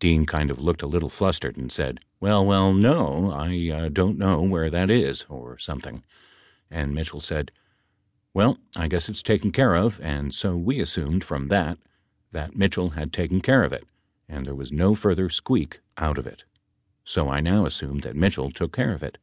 Dean kind of looked a little flustered and said, "Well, well, no. I don't know where that is or something," and Mitchell said, "Well I guess it's taken care of." And so we assumed from that that Mitchell had taken care of it, and there was no further squeak out of it so I now assume that Mitchell took care of it.